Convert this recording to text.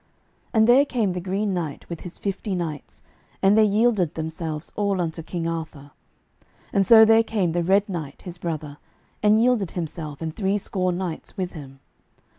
And there came the Green Knight with his fifty knights, and they yielded themselves all unto King Arthur. And so there came the Red Knight, his brother, and yielded himself and three score knights with him.